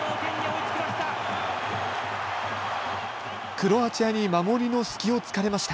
クロアチアに守りの隙を突かれました。